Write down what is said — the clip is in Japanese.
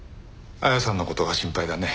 亜矢さんの事が心配だね。